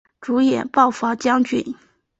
主演暴坊将军。